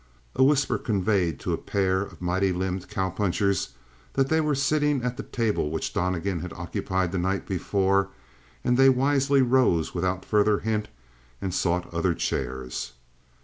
A whisper conveyed to a pair of mighty limbed cow punchers that they were sitting at the table which Donnegan had occupied the night before, and they wisely rose without further hint and sought other chairs.